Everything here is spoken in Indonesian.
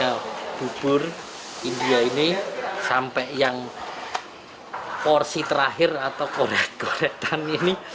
saking lesetnya bubur india ini sampai yang porsi terakhir atau korek korek tan ini